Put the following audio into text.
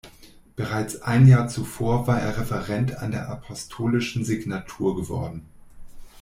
Bereits ein Jahr zuvor war er Referent an der Apostolischen Signatur geworden.